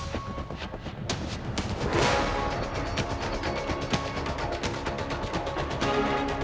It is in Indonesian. silahkan silahkan silahkan